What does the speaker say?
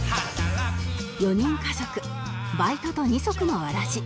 ４人家族バイトと二足のわらじ